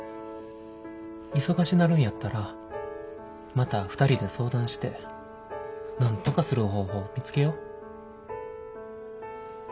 忙しなるんやったらまた２人で相談してなんとかする方法見つけよう。